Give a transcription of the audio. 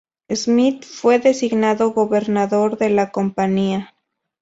Smythe fue designado gobernador de la compañía.